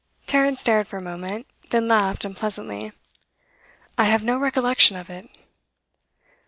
Tarrant stared for a moment, then laughed unpleasantly. 'I have no recollection of it.